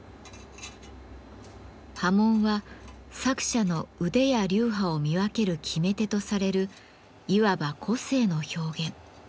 刃文は作者の腕や流派を見分ける決め手とされるいわば個性の表現。